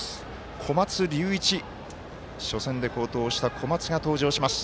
小松龍一、初戦で好投した小松が登場します。